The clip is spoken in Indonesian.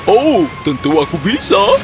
oh tentu aku bisa